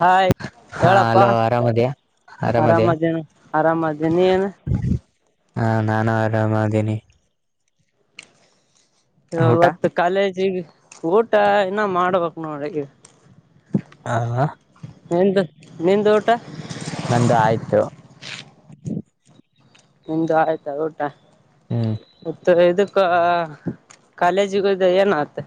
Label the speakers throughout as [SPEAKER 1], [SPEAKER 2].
[SPEAKER 1] Hi
[SPEAKER 2] ಹಾ
[SPEAKER 1] ಹೇಳಪ್ಪ
[SPEAKER 2] hello ಆರಾಮದ್ಯಾ ಆರಾಮದ್ಯಾ
[SPEAKER 1] ಆರಾಮದೇನ ಆರಾಮದೀನಿ ನೀನು
[SPEAKER 2] ಹಾ ನಾನು ಆರಾಮ್ದೀನಿ ಊಟ
[SPEAKER 1] ಇವತ್ತು ಕಾಲೇಜಿಗೆ ಊಟ ಇನ ಮಾಡ್ಬೇಕ್ ನೋಡಿಗೆ
[SPEAKER 2] ಹ
[SPEAKER 1] ನಿಂದು ಊಟ
[SPEAKER 2] ನಂದು ಆಯ್ತು
[SPEAKER 1] ನಿಂದ ಆಯ್ತಾ ಊಟ
[SPEAKER 2] ಹ್ಮ್
[SPEAKER 1] ಮತ್ತ ಇದಕ್ಕ ಕಾಲೇಜಿಗದಏನತ್ತ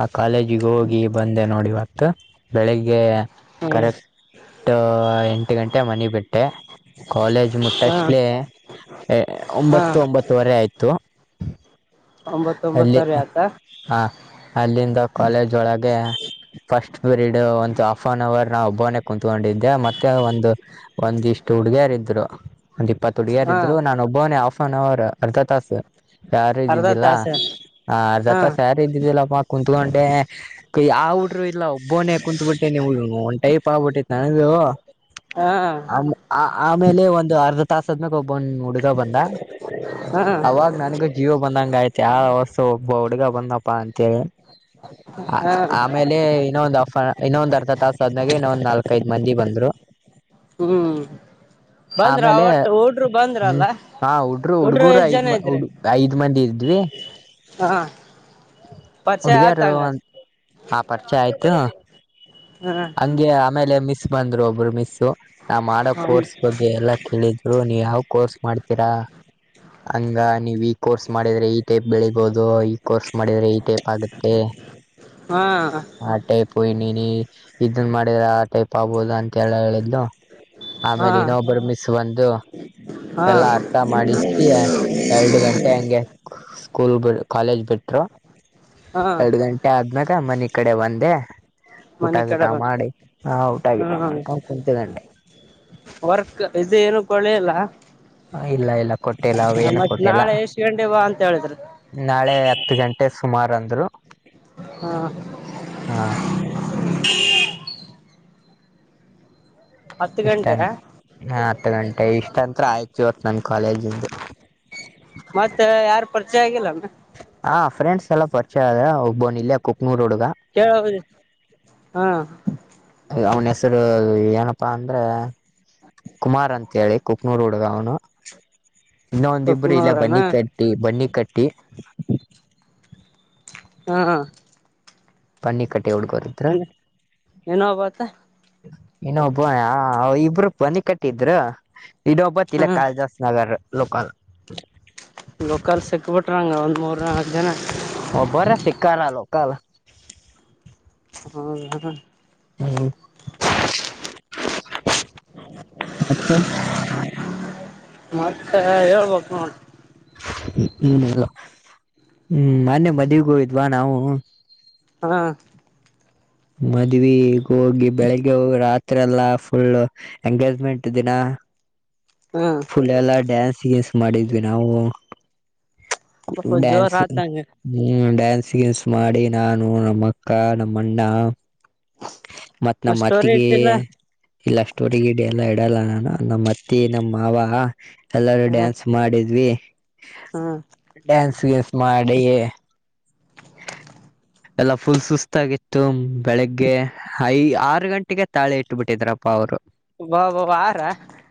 [SPEAKER 2] ಆ ಕಾಲೇಜಿಗೆ ಹೋಗಿ ಬಂದೆ ನೋಡಿಇವತ್ತು ಬೆಳಿಗ್ಗೆ
[SPEAKER 1] ಹ್ಮ್
[SPEAKER 2] ಕರೆಕ್ಟ್ ಎಂಟು ಗಂಟೆ ಮನೆ ಬಿಟ್ಟೆ ಕಾಲೇಜ್
[SPEAKER 1] ಹಾ
[SPEAKER 2] ಮುಟ್ಟಷ್ಟಲೇ
[SPEAKER 1] ಹಾ
[SPEAKER 2] ಒಂಬತ್ತು ಒಂಬತ್ತುವರೆ ಆಯ್ತು ಅಲ್ಲಿ
[SPEAKER 1] ಒಂಬತ್ತೊಂಬತ್ತರೆ ಆಯತಾ
[SPEAKER 2] ಹ ಅಲ್ಲಿಂದ ಕಾಲೇಜ್ ಒಳಗೆ ಫಸ್ಟ್ ಪಿರೀಡ್ ಒಂತ ಹಫ್ ಆನ್ ಅವರ್ ನಾ ಒಬ್ಬನೇ ಕುಂತ್ಕೊಂಡಿದ್ದೆ ಮತ್ತೆ ಒಂದಂದು ಒಂದ ಇಷ್ಟು ಹುಡುಗಿಯರ ಇದ್ರು ಒಂದ್ ಇಪ್ಪತ್ ಹುಡುಗರ
[SPEAKER 1] ಹಾ
[SPEAKER 2] ಇದ್ರು ನಾನು ಒಬ್ಬವನೇ ಹಫ್ನ್ ಅವರ್ ಅರ್ಧ ತಾಸ ಯಾರ ಇದ
[SPEAKER 1] ತ್ತ ಸ
[SPEAKER 2] ಹ ಅರ್ ಜತ್ರ ಸ್ಯಾರಿ ಇದ್ದಿದ್ದಿಲ್ಲಪ್ಪ ಕುಂತ್ಕೊಂಡೆ ಯಾವ ಟರು ಇಲ್ಲ ಒಬ್ಬೊನೇ ಕುಂತ್ ಬಿಟ್ಟೆ ಒನ್ ಟೈ ಪಾಬಿಟ್ಟಿತ್ತು ನನದು
[SPEAKER 1] ಹಾ
[SPEAKER 2] ಆ ಆಮೇಲೆ ಒಂದು ಅರ್ಧ ತಾಸದ್ಮೇಕ್ ಒಬ್ಬನ್ ಹುಡುಗ ಬಂದ
[SPEAKER 1] ಹಾ
[SPEAKER 2] ಅವಾಗ ನನಗೂ ಜೀವ ಬಂದಂಗ ಆಯ್ತ ಯಾವ ವಸ್ತು ಒಬ್ಬ ಹುಡುಗ ಬಂದಪ್ಪಾ ಅಂತೇಳಿ ಆ
[SPEAKER 1] ಹಾ
[SPEAKER 2] ಆಮೇಲೆ ಇನ್ನೊಂದ್ ಅಫ ಇನ್ನೊಂದ್ ಅರ್ಧ ತಾಸ ಆದನಾಗೆ ಇನ್ನೊಂದ್ ನಾಲ್ಕೈದ್ ಮಂದಿ ಬಂದ್ರು
[SPEAKER 1] ಹ್ಮ್ ಬಂದ್ರ
[SPEAKER 2] ಆಮೇಲೆ
[SPEAKER 1] ಒಟ್ಟು ಹುಡ್ರು ಬಂದ್ರ
[SPEAKER 2] ಹ್ಮ್
[SPEAKER 1] ಅಲ್ಲ
[SPEAKER 2] ಹಾ
[SPEAKER 1] ಹುಡ್ರು
[SPEAKER 2] ಹುಡ್ಗೂರು
[SPEAKER 1] ಎಷ್ಟ್
[SPEAKER 2] ಐದ್
[SPEAKER 1] ಜನ
[SPEAKER 2] ಮ-
[SPEAKER 1] ಇದ್ರೆ
[SPEAKER 2] ಹುಡ್ ಐದ್ ಮಂದಿ ಇದ್ವಿ
[SPEAKER 1] ಹಾ ಪರಿಚಯ ಆತ
[SPEAKER 2] ಹುಡ್ಗಿಯಾರು
[SPEAKER 1] ಹಂಗಾರ
[SPEAKER 2] ಆ ಪರಿಚಯ ಆಯ್ತು.
[SPEAKER 1] ಹಾ
[SPEAKER 2] ಹಂಗೆ ಆಮೇಲೆ ಮಿಸ್ ಬಂದ್ರು ಒಬ್ರು ಮಿಸ್. ನಾ ಮಾಡೋ ಕೋರ್ಸ್
[SPEAKER 1] ಹಾ
[SPEAKER 2] ಬಗ್ಗೆ ಎಲ್ಲಾ ಕೇಳಿದ್ರು ನೀವ್ ಯಾವ್ ಕೋರ್ಸ್ ಮಾಡ್ತೀರಾ? ಹಂಗ ನೀವ್ ಈ ಕೋರ್ಸ್ ಮಾಡಿದ್ರೆ ಈ ಟೈಪ್ ಬೆಳಿಬೋದು ಈ ಕೋರ್ಸ್ ಮಾಡಿದ್ರೆ ಈ ಟೈಪ್ ಆಗುತ್ತೆ ಆ ಟೖಪು ಇನೀ ನೀ ಇದನ್ ಮಾಡಿದ್ರ ಆ ಟೈಪ್ ಆಗ್ಬಹುದು ಅಂತ ಎಲ್ಲ ಹೇಳಿದ್ಲು.
[SPEAKER 1] ಹಾ
[SPEAKER 2] ಆಮೇಲೆ ಇನ್ನೊಬ್ಬರು ಮಿಸ್ ಬಂದು
[SPEAKER 1] ಹಾ
[SPEAKER 2] ಎಲ್ಲ ಅರ್ಥ ಮಾಡಿಸಿ ಎರ್ಡು ಗಂಟೆ ಹಂಗೆ ಸ್ಕೂಲ್ ಬಿ ಕಾಲೇಜ್ ಬಿಟ್ರು
[SPEAKER 1] ಹಾ
[SPEAKER 2] ಎರ್ಡು ಗಂಟೆ ಆದ್ಮ್ಯಾಗ ಮನಿ ಕಡೆ ಬಂದೇ ಊಟ
[SPEAKER 1] ಮನಿ
[SPEAKER 2] ಗಿಟ
[SPEAKER 1] ಕಡೆ ಬಾ
[SPEAKER 2] ಮಾಡಿ ಹಾ ಊಟ ಗಿಟ
[SPEAKER 1] ಹ್ಮ
[SPEAKER 2] ಮಾಡ್ಕೊಂಡ್ ಕುಂತ್ಕೂಂಡೆ.
[SPEAKER 1] ವರ್ಕ್ ಇದು ಏನು ಕೊಳಿಲ್ಲ?
[SPEAKER 2] ಇಲ್ಲ ಇಲ್ಲ ಕೊಟ್ಟಿಲ್ಲ ಅವೇನು ಕೊಟ್ಟಿಲ್ಲ
[SPEAKER 1] ನಾಳೆ ಎಷ್ಟ್ ಗಂಟೆ ಬಾ ಅಂತ ಹೇಳಿದ್ರು
[SPEAKER 2] ನಾಳೆ ಹತ್ತು ಗಂಟೆ ಸುಮಾರು ಅಂದ್ರು.
[SPEAKER 1] ಹಾ
[SPEAKER 2] ಹಾ
[SPEAKER 1] ಹತ್ತು ಗಂಟೆ?
[SPEAKER 2] ಹಾ ಹತ್ತು ಗಂಟೆ ಇಷ್ಟಂತ್ರ ಆಯ್ತು ಇವತ್ತು ನನ್ ಕಾಲೇಜಿಂದು.
[SPEAKER 1] ಮತ್ತ ಯಾರ್ ಪರಿಚಯ ಆಗಿಲ್ಲಾನು?
[SPEAKER 2] ಆ ಫ್ರಂಡ್ಸ್ ಎಲ್ಲ ಪರಿಚಯ ಆದ ಒಬ್ಬನ್ ಇಲ್ಲೆ ಕು
[SPEAKER 1] [unintelligible] ಹಾ
[SPEAKER 2] ಅವ್ನು ಹೆಸರು ಏನಪ್ಪಾ ಅಂದ್ರೆ ಕುಮಾರ್ ಅಂತ ಹೇಳಿ ಕುಕ್ನೂರ್ ಹುಡ್ಗ ಅವ್ನು. ಇನ್ನೊ ಒಂದಿಬ್ರು ಇಲ್ಲೆ
[SPEAKER 1] ಕೊಕ್ನೂರನ
[SPEAKER 2] ಬನ್ನಿ ಕಟ್ಟಿ ಬನ್ನಿ ಕಟ್ಟಿ.
[SPEAKER 1] ಹ್ಮ ಹಾ
[SPEAKER 2] ಪನ್ನಿ
[SPEAKER 1] ಇನ್ನೊಬಾತ್ತ?
[SPEAKER 2] ಇನ್ನೊಬ್ಬ ಇಬ್ರು ಬನ್ನಿ ಕಟ್ಟಿದ್ರು.
[SPEAKER 1] ಹಾ
[SPEAKER 2] ಇಡೋಪತಿಲ್ಲ ಕಳ್ದಾಸ್ ನಗರ್ ಲೋಕಲ್.
[SPEAKER 1] ಲೋಕಲ್ ಸಿಕ್ಬಿಟ್ರಂಗ ಒಂದ್ ಮೂರ್ ಹತ್ತು ಜನ
[SPEAKER 2] ಕಲ್
[SPEAKER 1] ಅ ಹ
[SPEAKER 2] ಹೌ ಮತ್ತೆ
[SPEAKER 1] ಮತ್ತೆ ಹೇಳ್ಬೇಕ ನೋ
[SPEAKER 2] ಹ್ಮ್ ಏನಿಲ್ಲ ಹ್ಮ್ ಮೊನ್ನೆ ಮದ್ವಿಗ ಹೋಗಿದ್ವಾ ನಾವು
[SPEAKER 1] ಹಾ
[SPEAKER 2] ಮದ್ವಿಗ್ ಹೋಗಿ ಬೆಳಿಗ್ಗೆ ಹೋಗಿ ರಾತ್ರಿ ಎಲ್ಲ ಫುಲ್ ಎಂಗೇಜ್ಮೆಂಟ್ ದಿನ
[SPEAKER 1] ಹಾ
[SPEAKER 2] ಫುಲ್ ಎಲ್ಲ ಡ್ಯಾನ್ಸ್ ಗೀನ್ಸ್ ಮಾಡಿದ್ವಿ ನಾವು.
[SPEAKER 1] ಸ್ವಲ್ಪ ಜೋರ್
[SPEAKER 2] ಡ್ಯಾನ್ಸ್
[SPEAKER 1] ಆತಂಗ
[SPEAKER 2] ಹ್ಮ್ ಡ್ಯಾನ್ [unintelligible] ಮಾಡಿ ನಾನು ನಮ್ಮ ಅಕ್ಕ ನಮ್ಮಣ್ಣ. ಮತ್ತ್
[SPEAKER 1] ಮ
[SPEAKER 2] ನಮ್ಮ್
[SPEAKER 1] ಸ್ಟೋರಿ
[SPEAKER 2] ಅತ್ತಿಗೆ
[SPEAKER 1] ಇಟ್ಟಿಲ್ಲ
[SPEAKER 2] ಇಲ್ಲ ಸ್ಟೋರಿ ಗೀಡಿ ಎಲ್ಲಾ ಇಡಲ್ಲ ನಾನು ನಮ್ಮ್ ಅತ್ತಿ ನಮ್ಮ ಮಾವ ಎಲ್ಲರೂ
[SPEAKER 1] ಹ್ಮ
[SPEAKER 2] ಡ್ಯಾನ್ಸ್ ಮಾಡಿದ್ವಿ.
[SPEAKER 1] ಹ್ಮ
[SPEAKER 2] ಡ್ಯಾನ್ಸ್ ಗೀಸ್ ಮಾಡೀ ಎಲ್ಲಾ ಫುಲ್ ಸುಸ್ತಾಗಿತ್ತು ಬೆಳಿಗ್ಗೆ ಐ ಆರು ಗಂಟೆಗೆ ತಾಳೆ ಇಟ್ಟುಬಿಟ್ಟಿದ್ರಪ್ಪ ಅವ್ರು.
[SPEAKER 1] ಬಾ ಬಾ ವಾರ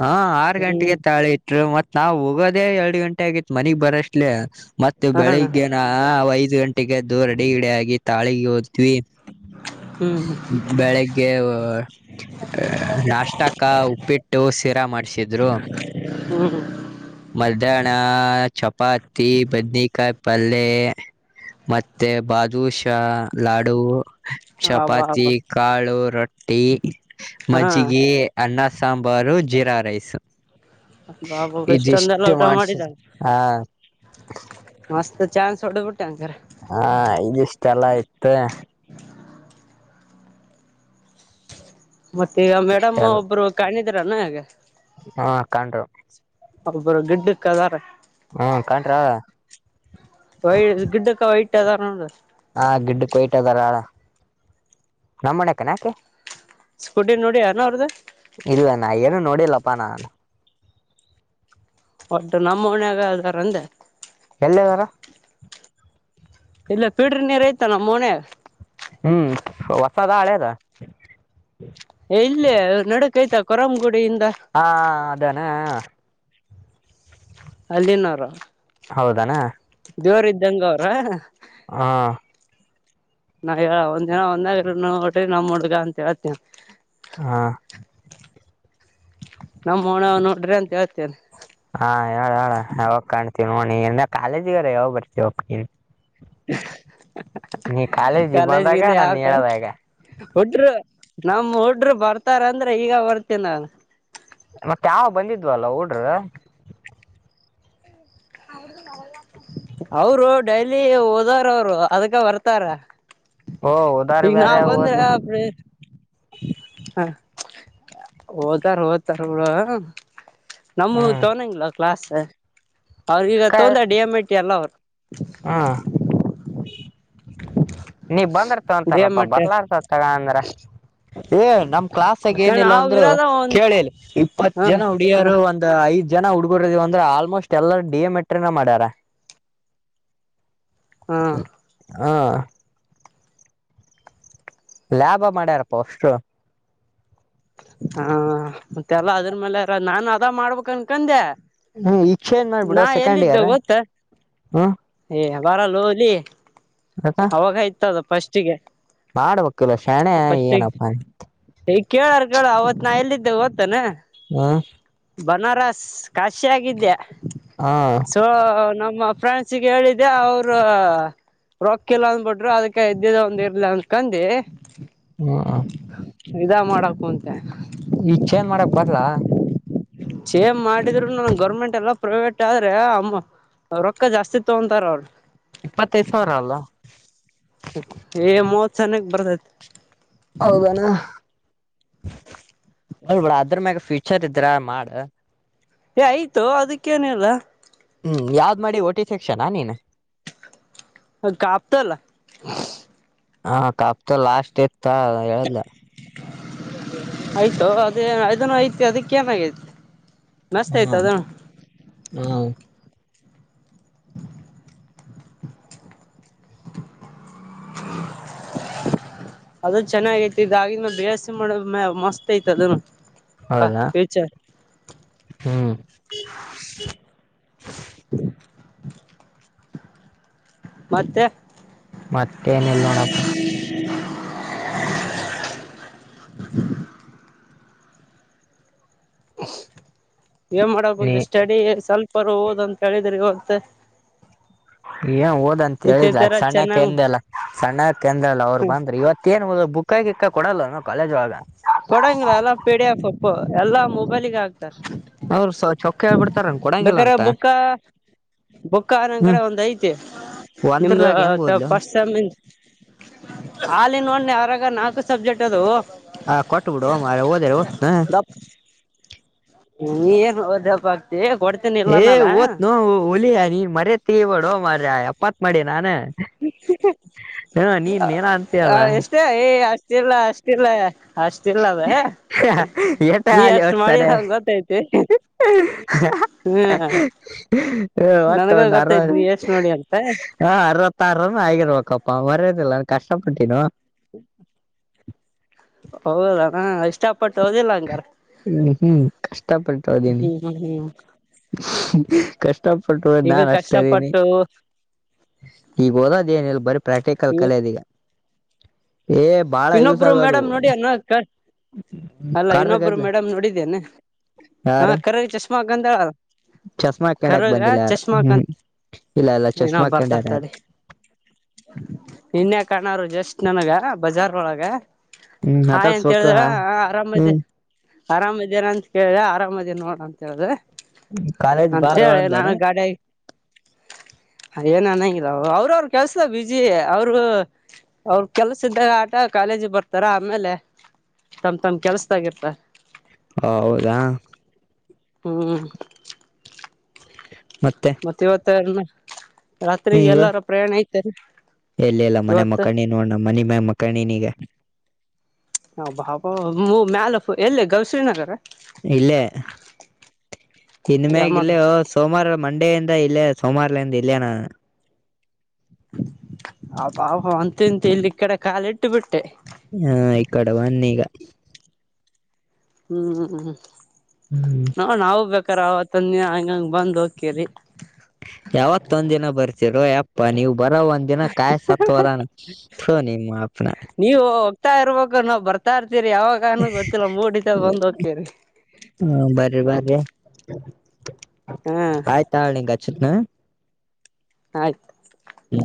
[SPEAKER 2] ಹಾ ಆರು ಗಂಟೆಗೆ
[SPEAKER 1] ಹ್ಮ್
[SPEAKER 2] ತಾಳಿ ಇತ್ತು. ಮತ್ ನಾವು ಹೋಗೋದಾಗ್ ಎರಡು ಗಂಟೆ ಆಗಿತ್ ಮನಿಗ್ ಬರಷ್ಟಲೇ ಮತ್ತೆ
[SPEAKER 1] ಹಾ
[SPEAKER 2] ಬೆಳಿಗ್ಗೆ ನಾವ್ ಐದ ಗಂಟೆಗೆದ್ದು ರಡಿಗಿಡೆ ಆಗಿ ತಾಳಿಗೆ ಹೋದ್ ವಿ
[SPEAKER 1] ಹ್ಮ್
[SPEAKER 2] ಬೆಳಿಗ್ಗೆ ನಾಷ್ಟಕ ಉಪ್ಪಿಟ್ಟು ಶೀರಾ ಮಾಡ್ಸಿದ್ರು.
[SPEAKER 1] ಹ್ಮ್
[SPEAKER 2] ಮಧ್ಯಾಹ್ನ ಚಪಾತಿ ಬದನಕಾಯ ಪಲ್ಲೆ ಮತ್ತೆ ಬಾದಷ ಲಾಡು
[SPEAKER 1] ಹಬಾ
[SPEAKER 2] ಚಪಾತಿ
[SPEAKER 1] ಹಬಾ
[SPEAKER 2] ಕಾಳು ರೊಟ್ಟಿ
[SPEAKER 1] ಹಾ
[SPEAKER 2] ಮಜ್ಗೆ ಅನ್ನ ಸಾಂಬಾರ್ ಜೀರಾ ರೈಸ್
[SPEAKER 1] ಬಾಬ ಇಷ್ಟೊಂದಲ್ಲ
[SPEAKER 2] ಇದಿಷ್ಟು
[SPEAKER 1] ಊಟ
[SPEAKER 2] ಮಾಡ್ಸ
[SPEAKER 1] ಮಾಡಿದ
[SPEAKER 2] ಹ
[SPEAKER 1] ಮಸ್ತ್ ಚಾನ್ಸ್ಡ್ಡಟ್ಟ್ಯಾನ್ ಸರ್
[SPEAKER 2] ಹಾ ಇದಿಷ್ಟೆಲ್ಲ ಆಯತ
[SPEAKER 1] ಮತ್ತೆ ಈಗ ಮೇಡಮ್
[SPEAKER 2] ಇಷ್ಟೆಲ್ಲ
[SPEAKER 1] ಒಬ್ರು ಕಾಣಿದ್ರಾನ ಈಗ
[SPEAKER 2] ಹಾ ಕಂಡರು
[SPEAKER 1] ಒಬ್ಬರು ಗಿಡ್ಡಕ್ಕದಾರೆ
[SPEAKER 2] ಹ್ಮ ಕಂಡ್ರ
[SPEAKER 1] ವೈ ಗಿಡ್ಡಕ್ಕ ವೈಟ್ ಅದಾರ
[SPEAKER 2] ಹಾ ಗಿಡ್ಡ ಕೊಯಟ್ಟದಾರಳ ನಮ್ಮಣಕನ ಯಾಕೆ
[SPEAKER 1] ಸ್ಕುಡಿ ನೋಡಿ ಯಾರ ಅವ್ರ್ದ
[SPEAKER 2] ನೋಡಿಲ್ಲಪ್ಪ ನಾನ್
[SPEAKER 1] ಒಟ್ಟು ನಮ್ಮ ಮನಾಗ ಅದಾರಂದ
[SPEAKER 2] ಅಲ್ಲ ಸರ
[SPEAKER 1] ಇಲ್ಲ ಪೀಡ್ರ ನೀರ್ ಐ್ತ ನಮ್ಮ ಮೊನ
[SPEAKER 2] ಹ್ಮ್ ಹೊಸದ ಹಳೆದ
[SPEAKER 1] ಇಲ್ಲಿ ನಡಕ್ ಐತ ಕೊರಂಗುಡಿಯಿಂದ
[SPEAKER 2] ಹಾ ಅದಾನ
[SPEAKER 1] ಅಲ್ಲಿನಾರ
[SPEAKER 2] ಹೌದನಾ
[SPEAKER 1] ದೇವ್ರ ಇದ್ದಂಗ ಅವ್ರ
[SPEAKER 2] ಹಾ
[SPEAKER 1] ನಾ ಹೇಳ ಒಂದ ದಿನ ಒಂದಾಗಟ್ರಿ ನಮ್ ಹುಡ್ಗ ಅಂತ ಹೇಳ್ತೇನ
[SPEAKER 2] ಹಾ
[SPEAKER 1] ನಮ್ಮ ಹೋಣ ನೋಡ್ರಿ ಅಂತ ಹೇಳ್ತೇನೆ
[SPEAKER 2] ಹಾ ಹೇಳಳ್ ಹೇಳ ಯಾವಾಗ ಕಾಣ್ತೀವ ನೋಂದ ಕಾಲೇಜಗಾರ ಯಾವಾಗ್ ಬರ್ತವ ಕಾಲೇಜ್ ಬಂದಾಗ
[SPEAKER 1] ಕಾಲೇಜ್ಗಿಂದ
[SPEAKER 2] ನಾನ್
[SPEAKER 1] ಯಾವ
[SPEAKER 2] ಹೇಳದಾಗ
[SPEAKER 1] ಹಟರು ನಮ್ ಹಡ್ರು ಬರ್ತಾರಂದ್ರೆ ಈಗ ಬರ್ತನ
[SPEAKER 2] ಮತ್ತೆ ಯಾವ ಬಂದಿದ್ವಲ್ಲ ಊಡ್ರ
[SPEAKER 1] ಅವರು ಡೈಲಿ ಓದಾರ ಅವರು ಅದಕ್ಕ ಬರ್ತಾರ
[SPEAKER 2] ಓ ಉದಾರ್
[SPEAKER 1] ಈಗ ನಾ
[SPEAKER 2] ಬೇರೆ
[SPEAKER 1] ಬಂದ್ರೆ
[SPEAKER 2] ಓದ್ಲ
[SPEAKER 1] ಅ್ರ ಹಾ ಓತಾರ ಓದ್ತಾರ ನಡ ನಮ
[SPEAKER 2] ಹ್ಮ್
[SPEAKER 1] ತಗೊಂಡಂಗಿಲ್ಲ ಕ್ಲಾಸ್ ಅವ್ರ ಈಗ ತೊಂದ ಡಿ ಎಂ ಐ ಟಿ ಎಲ್ಲ ಅವ್ರು
[SPEAKER 2] ಹಾ ನೀ ಬಂದ ರ್
[SPEAKER 1] ಡಿ ಎಂ
[SPEAKER 2] ತೊಂತಾರಪ್ಪ
[SPEAKER 1] ಎ ಟಿ
[SPEAKER 2] ಬರ್ಲತ ತಗ ಅಂದ್ರ ಏ ನಮ್ ಕ್ಲಾಸ್ಗ
[SPEAKER 1] ಯಾಕಂದ್ರೆ
[SPEAKER 2] ಏನಿಲ್ಲ
[SPEAKER 1] ನಾವ್
[SPEAKER 2] ಅಂದ್ರು
[SPEAKER 1] ಇರೋದ ಒಂದ್
[SPEAKER 2] ಕೇಳಿ ಇಪ್ಪತ್ತು
[SPEAKER 1] ಹಾ
[SPEAKER 2] ಜನ
[SPEAKER 1] ಹಾ
[SPEAKER 2] ಉಡಿಯೋರು ಒಂದು ಐದು ಜನ ಹುಡ್ಗರ್ದೀವ ಅಂದ್ರೆ ಆಲ್ಮೋಸ್ಟ್ ಎಲ್ಲರ ಡಿಯೋಮೆಟ್ರಿನ ಮಾಡ್ಯಾರ
[SPEAKER 1] ಹ್ಮ್
[SPEAKER 2] ಹಾ ಲಾಭ ಮಾಡ್ಯಾರಪ್ಪ ಅಷ್ಟು
[SPEAKER 1] ಹಾ ಮತ್ತೆಲ್ಲ ಅದ್ರ ಮೇಲೆ ನಾನು ಅದ ಮಾಡ್ಬೇಕಕ್ ಅನ್ಕಂದೆ
[SPEAKER 2] ಹ್ಮ್ ಈಕ್ಷೇನ್ ಮಾಡ್ಬಿಡು
[SPEAKER 1] ನಾ
[SPEAKER 2] ಸೆಕೆಂಡ್
[SPEAKER 1] ಎಲ್ಲಿದ್ದು
[SPEAKER 2] ಇಯರ್
[SPEAKER 1] ಗೊತ್ತ
[SPEAKER 2] ಹ್ಮ್
[SPEAKER 1] ಏ ಬರಲ್ಲೋಲಿ ಅವಾಗಯ್ತದ ಫಸ್ಟ್ಗೆ
[SPEAKER 2] ಮಾಡ್ಬೇಕಿಲ್ಲ ಶಣೆ ಏನಪ್ಪಾ
[SPEAKER 1] ಈಗ ಕೇಳಾರ ಕೇಳ ಅವತ್ ನಾ ಎಲ್ಲಿದ್ದೆ ಗೊತ್ತತಾನ
[SPEAKER 2] ಹ
[SPEAKER 1] ಬನಾರಸ್ ಕಾಶಿ ಆಗಿದ್ದೆ
[SPEAKER 2] ಹಾ
[SPEAKER 1] ಸೊ ನ ಮ್ಮ ಫ್ರ್ಯಾನ್ಗೆ ಹೇಳಿದ್ದೆ ಅವರು ರೊಕ್ಕಲ್ಲ ಅಂದ್ಬಿಟ್ರು ಅದಕ್ಕೆ ಎದ್ದಿದ ಒಂದ್ ಇರ್ಲಿ ಅಂದಕಂದಿ
[SPEAKER 2] ಹ್ಮ ಹ್ಮ
[SPEAKER 1] ಇದ ಮಾಡಕು ಅಂತೆ
[SPEAKER 2] ಈ ಚೇಂಜ್ ಮಾಡಕ್ ಬರ್ಲಾ
[SPEAKER 1] ಚೇಮ್ ಮಾಡಿದ್ರು ನನ್ ಗೌರ್ಮೆಂಟ್ ಎಲ್ಲ ಪ್ರೈವೇಟ್ ಆದ್ರೆ ಅಮ್ಮ ರೊಕ್ಕ ಜಾಸ್ತಿ ತಗೊಂತಾರ ಅವರು
[SPEAKER 2] ಇಪ್ಪತ್ತೈದು ಸಾವಿರ ಅಲ್ಲ
[SPEAKER 1] ಏ ಮೂವತ್ ಸನಕ್ ಬರ್ತೈತ್
[SPEAKER 2] ಹೌದಣ ಹಳ್ಬಡ ಅದ್ರ ಮ್ಯಾಗ ಫ್ಯೂಚರ್ ಇದ್ರ ಮಾಡ
[SPEAKER 1] ಏ ಆಯ್ತು ಅದಕ್ಕೇನಲ್ಲ
[SPEAKER 2] ಹ್ಮ್ ಯಾವ್ದ್ ಮಾಡಿ ಒಟ್ಟಿ ತೆಕ್ಷನಾ ನೀನ್
[SPEAKER 1] ಅ ಕಾಪ್ತಲ್ಲ
[SPEAKER 2] ಹಾ ಕಾಪ್ತ ಲಾಸ್ಟ್ ಇತ ಹೇಳದ್ಲ
[SPEAKER 1] ಆಯ್ತು ಅದೇ ಅದನ್ನು ಐತಿ ಅದಕ್ಕ ಏನಾಗೈತಿ
[SPEAKER 2] ಹ್ಮ ಹ್ಮ್
[SPEAKER 1] ಅದು ಚೆನ್ನಾಗೈತಿ ಇದ ಆಗ ಮ ಬೇಸ ಮಾಡ ಮಸ್ತ್ ಐತ್ ಅದ
[SPEAKER 2] ಹೌದಾ ಹ್ಮ್
[SPEAKER 1] ಮತ್ತೆ
[SPEAKER 2] ಮತ್ತೆ ಏನೆಲ್ಲ ನೋಡಪ್ಪ
[SPEAKER 1] ಏನ್ ಮಾಡಕ್
[SPEAKER 2] ನೀ
[SPEAKER 1] ಉಂತ ಸ್ಟಡಿ ಸ್ವಲ್ಪ ಬರ್ ಹೋದಂತ ಹೇಳಿದ್ರಿ ಮಂತೆ
[SPEAKER 2] ಏನ್ ಹಓದಂತ ಹೇಳಿದ್ರ ಸಣ್ಣಕ್ಕೆ
[SPEAKER 1] ಚೆನ್ನಾಗ್
[SPEAKER 2] ಎಂದಲ್ಲ ಸಣ್ಣಕ ಎಂದಲ್ಲ ಅವ್ರು ಬಂದ್ರಿ ಇವತ್ತ ಏನ್ದ ಬುಕ್ ಹಕಿಕ್ಕ ಕೊಡಲ್ಲವ ಕಾಲೇಜ್ವಾಗ
[SPEAKER 1] ಕೊಡಂಗಿಲ್ಲ ಎಲ್ಲ ಪಿ ಡಿ ಎಫ್ ಎಲ್ಲಾ ಮೊಬೈಲ್ಗ ಆ
[SPEAKER 2] ಅವ್ರು ಸ ಚೊಕ್ಕ ಹೇಳ್ಬಿಡ್ತಾರನ್ ಕೊಡಂಗಿಲ್ಲ
[SPEAKER 1] ಬೇಕ್ರ
[SPEAKER 2] ಅಂತ
[SPEAKER 1] ಬುಕ್ಕ ಬುಕ್ಕ ಅಂದ್ ಕಡೆ
[SPEAKER 2] ಹ್ಮ್
[SPEAKER 1] ಒಂದ್ ಐತಿ ನಿಮ್ದ
[SPEAKER 2] ಒಂದ್ರಲಾಗ ಹೆಂಗ್ ಓದ್ಲು
[SPEAKER 1] ಹಾಲ ನೋಡ್ ಅವರಾಗ ನಾಲ್ಕು ಸಬ್ಜೆಕ್ಟ್ ಅದು
[SPEAKER 2] ಹಾ ಕಟಬಡ ಅಮಾರ ಹೊತ
[SPEAKER 1] ನೀ ಏನ್ ಓದಪ್ಪ ಆಗ್ತಿ ಕೊಡ್ತೀನಿ
[SPEAKER 2] ಏ
[SPEAKER 1] ಇಲ್ಲನಲ್ಲ
[SPEAKER 2] ಓತ್ ನ ಒಲಿಯ ನೀನ್ ಮರತಿ ಬಡೋ ಮರ ಏಪ್ಪತ್ ಮಾಡಿ ನಾನ ಏನ ಅಂತೀಯಲ್ಲ
[SPEAKER 1] ಎಷ್ಟೇ ಅಷ್ಟ ಅಷ್ಟ ಇಲ್ಲ ಅಷ್ಟ ಇಲ್ಲ ಅಷ್ಟ ಇಲ್ಲ ಅದ
[SPEAKER 2] ಎತ
[SPEAKER 1] ನೀ
[SPEAKER 2] ಆಲಿ
[SPEAKER 1] ಅಷ್ಟ್ ಮಾಡಿಲ್ಲ
[SPEAKER 2] ಒಟ್ಸಾರೆ
[SPEAKER 1] ಹಂಗ ಗೊತ್ತೈತಿ
[SPEAKER 2] ಹ್ಮ
[SPEAKER 1] ಹ್ಮ
[SPEAKER 2] ಒಟ್ಟ
[SPEAKER 1] ನನ್ಗ
[SPEAKER 2] ಒಂದ್ ಅರವ
[SPEAKER 1] ಗೊತ್ತೈತ್ ನೀ ಎಷ್ಟ್ ನೋಡಿ ಅಂತ
[SPEAKER 2] ಹ ಅರವತ್ತಾರನು ಆಗಿರ್ಬೇಕಪ್ಪ ಮರ ಕಷ್ಟಪಟ್ಟನ
[SPEAKER 1] ಹ ಹೌದ ಇಷ್ಟ
[SPEAKER 2] ಹ್ಮ್ ಹ್ಮ್ ಕಷ್ಟಪಟ್ಟ ಹದೀನಿ
[SPEAKER 1] ಹ್ಮ್ ಹ್ಮ್ ಹ್ಮ್
[SPEAKER 2] ಕಷ್ಟಪಟ್ಟು ನಾ
[SPEAKER 1] ಈಗ
[SPEAKER 2] ಅಷ್ಟು ಓದಿನಿ
[SPEAKER 1] ಕಷ್ಟಪಟ್ಟು
[SPEAKER 2] ಈಗ ಓದೋದ ಏನಿಲ್ಲ ಬರೀ ಪ್ರಾಕ್ಟಿಕಲ್ ಕಲದೀ ಈಗ ಏ ಬಾಳ ಯೂಸ್
[SPEAKER 1] ಇನ್ನೊಬ್ರು
[SPEAKER 2] ಆಗೋದು
[SPEAKER 1] ಮೇಡಮ್ ನೋಡಾನಕ್ಕ ಅಲ್ಲ ಇನ್ನೊಬ್ರು
[SPEAKER 2] ಕಾರ್ಗದ್ಲ
[SPEAKER 1] ಮೇಡಮ್ ನೋಡಿದೇನೆ ಹಾ
[SPEAKER 2] ಯಾರ
[SPEAKER 1] ಕರರಿ ಚಷ್ಮಾ ಗಂಧ
[SPEAKER 2] ಚಸ್ಮಾ ಹಾಕೊಂಡಾಕ್
[SPEAKER 1] ಕರಾಗ
[SPEAKER 2] ಬಂದಿಲ್ಲ ಯಾರು ಹ್ಮ್
[SPEAKER 1] ಚಷ್ಮಾಕಂತ
[SPEAKER 2] ಇಲ್ಲ ಇಲ್ಲ
[SPEAKER 1] ಏನ
[SPEAKER 2] ಚಸ್ಮಾ ಹಾಕೊಂಡಾರ ಯಾರು
[SPEAKER 1] ಬರ್ತಾಡ್ತಾಡಿ ಇನ್ನಯ ಕಣರು ಜಸ್ಟ್ ನನಗ ಬಜಾರ್ ಒಳಗ
[SPEAKER 2] ಹ್ಮ್
[SPEAKER 1] ಹಾ ಎಂತ
[SPEAKER 2] ಮಾತಾಡ್ಸ್ಬೇಕು
[SPEAKER 1] ಹೇಳಿದ್ರ
[SPEAKER 2] ಹಾ
[SPEAKER 1] ಆರಾಮದ
[SPEAKER 2] ಹ್ಮ್
[SPEAKER 1] ಅರಾಮದೇನಂತ ಕೇಳ್ದ ಆರಾಮದೇ ನೋಡಂತ ಹೇಳ್ದ
[SPEAKER 2] ಕಾಲೇಜ್
[SPEAKER 1] ಅಂತ
[SPEAKER 2] ಬಾರೋ
[SPEAKER 1] ಹೇಳಿ
[SPEAKER 2] ಅಂದಾನ
[SPEAKER 1] ನಾನು ಗಾಡ ಅಏ ನಾನ ಇಲ್ಲ ಅವ್ರ ಅವರು ಕೆಲ್ಸದ ಬಿಜಿ ಅವರು ಅವ್ರ ಕೆಲ್ಸ ಸ್ಧಾಗ ಆಟ ಕಾಲೇಜಿ ಬರ್ತಾರ ಆಮೇಲೆ ತಮ್ ತಮ ಕೆಲ್ಸದಾಗಿರ್ತ
[SPEAKER 2] ಹ ಹೌದಾ
[SPEAKER 1] ಹ್ಮ್
[SPEAKER 2] ಮತ್ತೆ
[SPEAKER 1] ಮತ್ತ ಇವತ್ತ ರಾತ್ಗೆ ಎಲ್ಲಾರ ಪ್ರಯಾಣ ಐತೆರಿ
[SPEAKER 2] ಎಲ್ಲಿ ಇಲ್ಲ ಮನೆ
[SPEAKER 1] ಇವತ್ತು
[SPEAKER 2] ಮಕಂಡಿ ನೋಡಣ ಮನೆ ಮ ಮಕ್ಣನಿಗೆ
[SPEAKER 1] ಹಾ ಬಾಬ ಮ್ಯಾಲ ಎಲ್ಲ ಗೌಶ್ರೀ ನಗರ
[SPEAKER 2] ಇಲ್ಲೇ ಇನ್
[SPEAKER 1] ಯಾ
[SPEAKER 2] ಮ್ಯಾಗ
[SPEAKER 1] ಮಾಡ್ರ
[SPEAKER 2] ಇಲ್ಲೇ ಸೋಮವಾರ ಮಂಡೆಯಿಂದ ಇಲ್ಲೇ ಸೋಮವಾರಲಿಂದ ಇಲ್ಲೇ ನಾನು
[SPEAKER 1] ಅಬಾಬ ಅಂತಂತ ಇಲ್ಲಿ ಈ ಕಡೆ ಕಾಲ ಇಟ್ಟು ಬಿಟ್ಟೆ
[SPEAKER 2] ಹಾ ಇ ಕಡೆ ಬನ್ನಿ ಈಗ
[SPEAKER 1] ಹ್ಮ್ ಹ್ಮ್
[SPEAKER 2] ಹ್ಮ್
[SPEAKER 1] ನಾ ನಾವವು ಬ ಅಕರ್ ಅವತನ್ ಹಂಗಂಗ ಬ್ ಹೋಗಕಿರಿ
[SPEAKER 2] ರೋಯ ಅಪ್ಪಾ ನೀವು ಬರೋ ಒಂದ್ನ ಕಾಯ್ ಸತ್ ಅದಾನ ನಿಮ್ಮ ಅಪ್ನ
[SPEAKER 1] ಇರ್ತ ಇರ್ಬೇಕು ನಾ್ ಬರ್ತಾರ್ತವಿ ರಿ ಯಾವಾಗಾನೂ ಗೊತ್ತಿಲ್ಲ ಮೂರ್ ದಿಸದ ಬಂದ್ ಹಕೇರಿ
[SPEAKER 2] ಆಯ್ತಾಣ ಗಚ್ಚಟ್ನ
[SPEAKER 1] ಆಯ್ತು
[SPEAKER 2] ಹ್ಮ